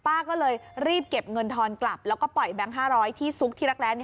ป้าก็เลยรีบเก็บเงินทอนกลับแล้วก็ปล่อยแบงค์๕๐๐ที่ซุกที่รักแร้